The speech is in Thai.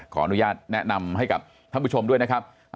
ขออนุญาตแนะนำให้กับท่านผู้ชมด้วยนะครับ